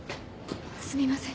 すみません。